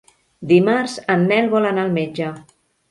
Dimarts en Nel vol anar al metge.